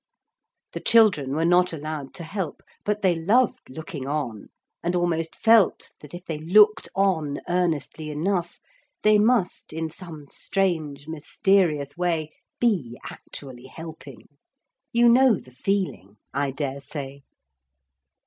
The children were not allowed to help, but they loved looking on, and almost felt that, if they looked on earnestly enough, they must, in some strange mysterious way, be actually helping. You know the feeling, I daresay.